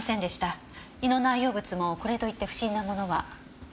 胃の内容物もこれといって不審なものは。